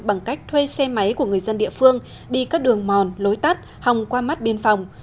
bằng cách thuê xe máy của người dân địa phương đi các đường mòn lối tắt hòng qua mắt biên phòng